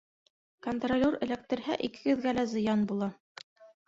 Контролер эләктерһә, икегеҙгә лә зыян була.